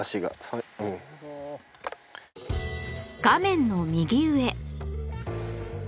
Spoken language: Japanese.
画面の右上